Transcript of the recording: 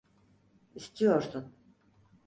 İstiyorsun.